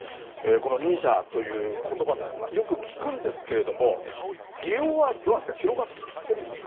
このＮＩＳＡということばですが、よく聞くんですけれども、利用はどうなんですか、広がってるんですか。